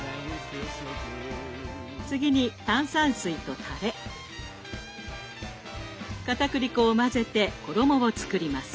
次に炭酸水とたれかたくり粉を混ぜて衣を作ります。